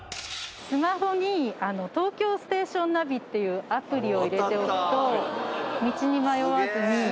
スマホに東京ステーションナビっていうアプリを入れておくと。